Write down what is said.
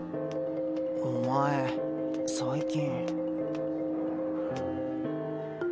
お前最近。